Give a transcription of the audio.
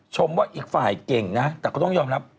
ชมว่าอีกฝ่ายเก่งนะแต่ก็ต้องยอมรับ